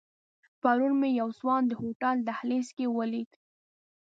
پرون مې یو ځوان د هوټل دهلیز کې ولید.